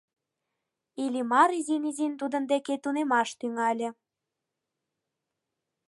Иллимар изин-изин тудын деке тунемаш тӱҥале.